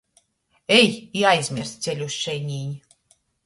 Ej i aizmiersti ceļu iz šenīni!